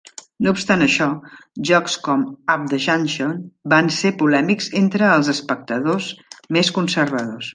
No obstant això, jocs com "Up the Junction" van ser polèmics entre els espectadors més conservadors.